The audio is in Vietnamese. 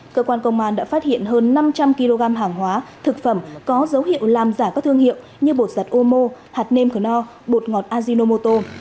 cơ quan công an đã phát hiện hơn năm trăm linh kg hàng hóa thực phẩm có dấu hiệu làm giả các thương hiệu như bột giặt ô mô hạt nêm cờ no bột ngọt azinomoto